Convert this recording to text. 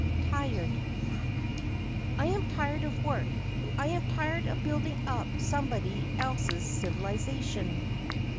TIRED I am tired of work; I am tired of building up somebody else's civilization.